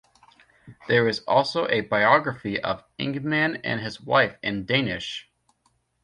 There is also a biography of Ingmann and his wife in Danish.